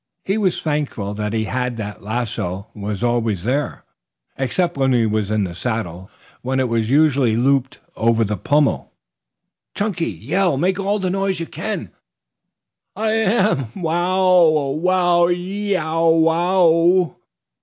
He was thankful that he had that. The lasso was always there except when he was in the saddle, when it was usually looped over the pommel. "Chunky, yell! Make all the noise you can." "I am. Wow ow wow. Y e o w wow!"